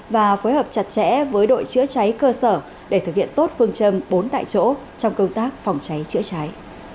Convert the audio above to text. và phối hợp chặt chẽ với đội chữa cháy cơ sở để thực hiện tốt phương châm bốn tại chỗ trong công tác phòng cháy chữa cháy